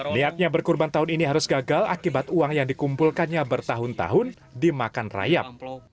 niatnya berkurban tahun ini harus gagal akibat uang yang dikumpulkannya bertahun tahun dimakan rayap